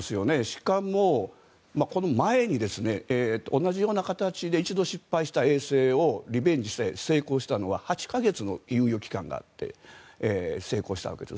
しかも、この前に同じような形で一度失敗した衛星をリベンジして成功したのは８か月の猶予期間があって成功したわけです。